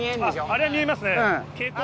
あれは見えますね。